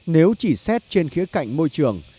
nếu chỉ xét trên khía cạnh môi trường